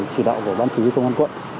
chỉ đạo của ban chí công an quận